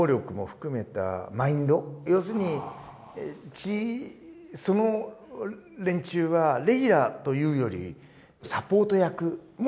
要するにその連中はレギュラーというよりサポート役もあるわけですよね。